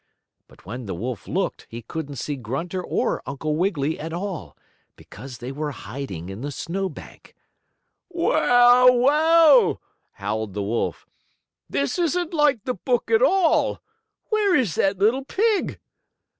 But when the wolf looked he couldn't see Grunter or Uncle Wiggily at all, because they were hiding in the snow bank. "Well, well!" howled the wolf. "This isn't like the book at all! Where is that little pig?"